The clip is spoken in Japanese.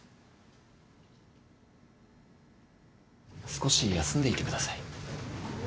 少し休んでいてください。